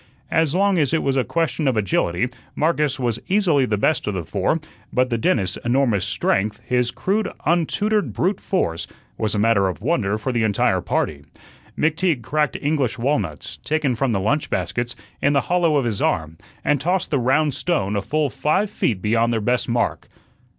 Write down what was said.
As long as it was a question of agility, Marcus was easily the best of the four; but the dentist's enormous strength, his crude, untutored brute force, was a matter of wonder for the entire party. McTeague cracked English walnuts taken from the lunch baskets in the hollow of his arm, and tossed the round stone a full five feet beyond their best mark.